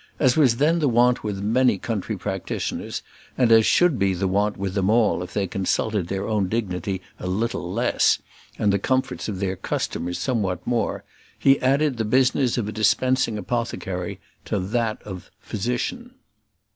As was then the wont with many country practitioners, and as should be the wont with them all if they consulted their own dignity a little less and the comforts of their customers somewhat more, he added the business of a dispensing apothecary to that of physician.